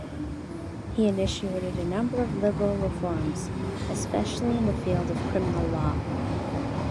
He initiated a number of liberal reforms, especially in the field of criminal law.